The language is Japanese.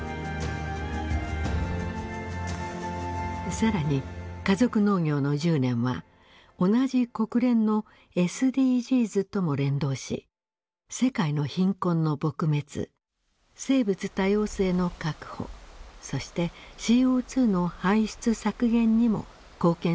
更に「家族農業の１０年」は同じ国連のＳＤＧｓとも連動し世界の貧困の撲滅生物多様性の確保そしてＣＯの排出削減にも貢献するものとしています。